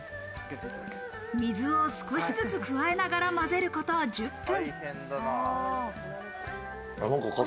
水を少しずつ加えながらまぜること１０分。